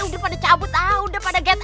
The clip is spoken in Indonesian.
udah pada cabut ah udah pada get out cepetan